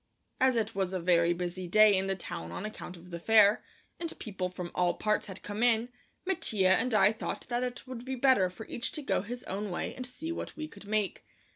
As it was a very busy day in the town on account of the fair, and people from all parts had come in, Mattia and I thought that it would be better for each to go his own way and see what we could make.